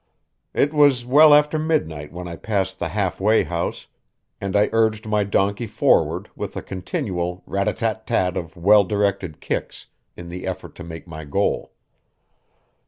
It was well after midnight when I passed the Half way House, and I urged my donkey forward with a continual rat a tat tat of well directed kicks in the effort to make my goal.